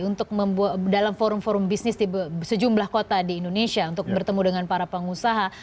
untuk dalam forum forum bisnis di sejumlah kota di indonesia untuk bertemu dengan para pengusaha